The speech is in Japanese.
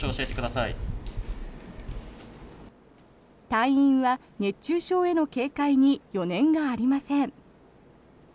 隊員は熱中症への警戒に余念がありません。